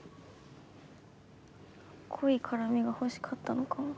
濃い絡みが欲しかったのかも。